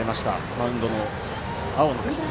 マウンドの青野です。